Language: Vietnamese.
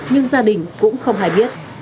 các gia đình cũng không hài biết